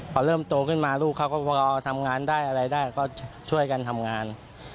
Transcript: พอเริ่มโตขึ้นมาลูกเขาก็พอทำงานได้อะไรได้ก็ช่วยกันทำงาน